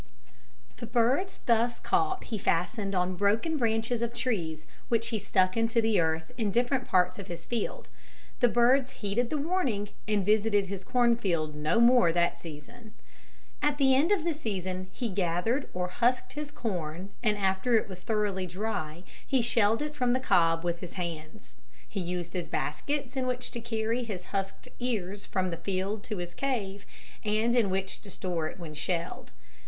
The birds thus caught he fastened on broken branches of trees which he stuck into the earth in different parts of his field. The birds heeded the warning and visited his corn field no more that season. At the end of the season he gathered or husked his corn and after it was thoroughly dry he shelled it from the cob with his hands. He used his baskets in which to carry his husked ears from the field to his cave and in which to store it when shelled.